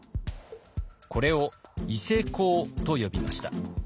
これを伊勢講と呼びました。